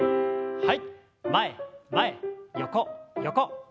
はい。